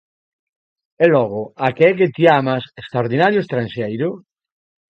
E logo, a que é que ti amas, extraordinario estranxeiro?